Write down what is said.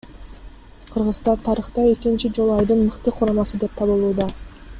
Кыргызстан тарыхта экинчи жолу айдын мыкты курамасы деп табылууда.